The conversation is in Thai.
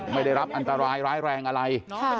ไม่ได้รับอันตรายร้ายแรงอะไร